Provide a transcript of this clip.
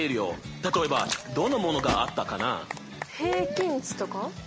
例えばどんなものがあったかな？